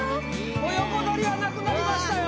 もう横取りはなくなりましたよ